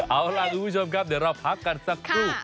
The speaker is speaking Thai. เอาล่ะคุณผู้ชมครับเดี๋ยวเราพักกันสักครู่